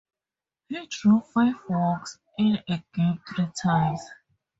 He drew five walks in a game three times.